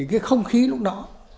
có khí lúc đó